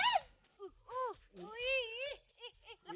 jangan keluar kamu